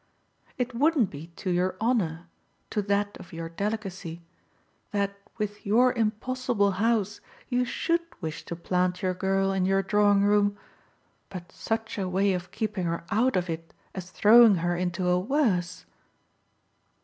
It wouldn't be to your honour to that of your delicacy that with your impossible house you SHOULD wish to plant your girl in your drawing room. But such a way of keeping her out of it as throwing her into a worse